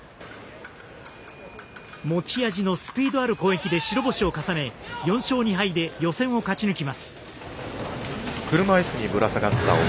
持ち味のスピードある攻撃で白星を重ね４勝２敗で予選を勝ち抜きます。